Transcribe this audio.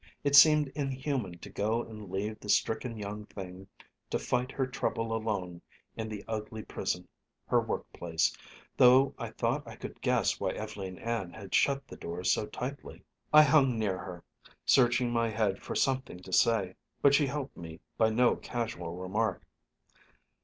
It seemed inhuman to go and leave the stricken young thing to fight her trouble alone in the ugly prison, her work place, though I thought I could guess why Ev'leen Ann had shut the doors so tightly. I hung near her, searching my head for something to say, but she helped me by no casual remark.